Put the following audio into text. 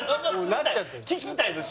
聞きたいんですよ